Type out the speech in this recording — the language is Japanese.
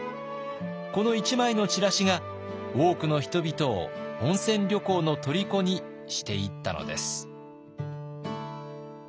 この１枚のチラシが多くの人々を温泉旅行のとりこにしていったのです。